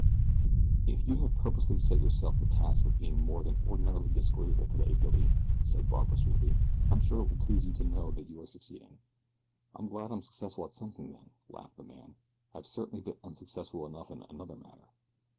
"If you have purposely set yourself the task of being more than ordinarily disagreeable today, Billy," said Barbara sweetly, "I'm sure it will please you to know that you are succeeding." "I'm glad I'm successful at something then," laughed the man. "I've certainly been unsuccessful enough in another matter."